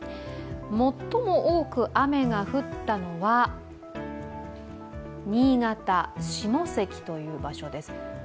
最も多く雨が降ったのは新潟・下関という場所です。